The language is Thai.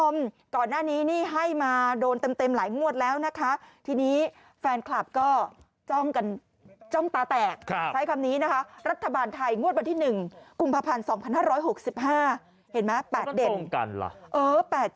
มาอีกแล้ว๘๗เหรอโอ้ยตายแล้วไม่แล้วคือมันไปตรงกับเลขที่แกให้ก่อนหน้านี้